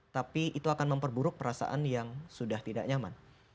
tapi itu akan memperburuk perasaan yang sudah tidak nyaman